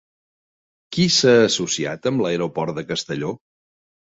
Qui s'ha associat amb l'aeroport de Castelló?